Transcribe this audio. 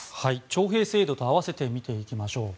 徴兵制度と合わせて見ていきましょう。